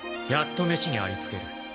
やっと飯にありつける。